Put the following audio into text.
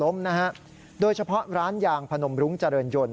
และก็หักล้มโดยเฉพาะร้านย่างพนนมรุงเจริญยนต์